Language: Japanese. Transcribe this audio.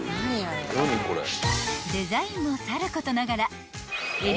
［デザインもさることながら］